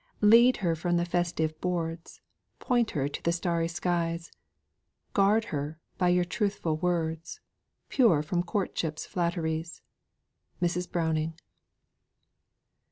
Lead her from the festive boards, Point her to the starry skies, Guard her, by your truthful words, Pure from courtship's flatteries." MRS. BROWNING.